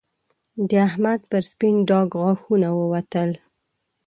د احمد پر سپين ډاګ غاښونه ووتل